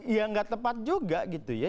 ya nggak tepat juga gitu ya